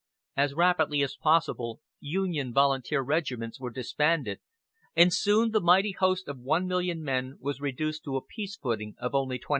As rapidly as possible Union volunteer regiments were disbanded, and soon the mighty host of 1,000,000 men was reduced to a peace footing of only 25,000.